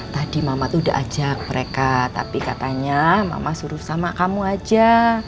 tadi mama tuh udah ajak mereka tapi katanya mama suruh sama kamu aja